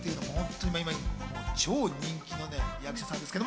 今、超人気の役者さんです。